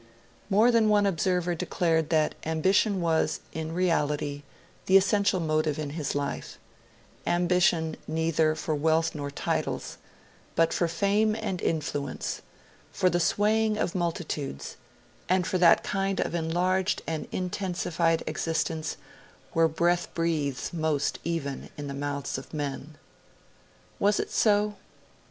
More than one observer declared that ambition was, in reality, the essential motive in his life: ambition, neither for wealth nor titles, but for fame and influence, for the swaying of multitudes, and for that kind of enlarged and intensified existence 'where breath breathes most even in the mouths of men'. Was it so?